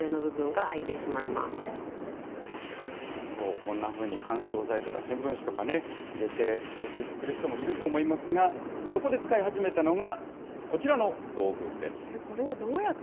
こんなふうに、緩衝材とか、新聞紙とかね、入れて、送付する人もいると思いますが、そこで使い始めたのが、これはどうやって？